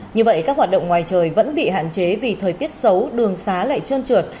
như vậy các hoạt động ngoài trời vẫn bị hạn chế vì thời tiết xấu đường xá lại trơn trượt